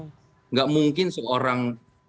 tidak mungkin seorang